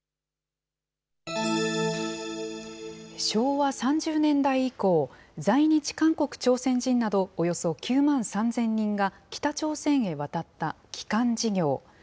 昭和３０年代以降、在日韓国・朝鮮人など、およそ９万３０００人が北朝鮮へ渡った帰還事業。